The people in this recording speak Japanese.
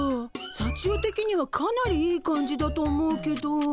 さちよ的にはかなりいい感じだと思うけど。